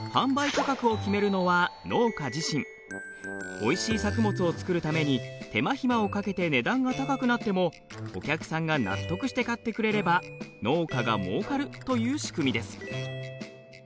おいしい作物を作るために手間ひまをかけて値段が高くなってもお客さんが納得して買ってくれれば農家がもうかるという仕組みです。